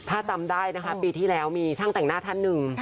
ถ้าจำได้นะคะปีที่แล้วมีช่างแต่งหน้าท่านหนึ่ง